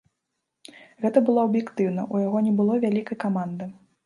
Гэта было аб'ектыўна, у яго не было вялікай каманды.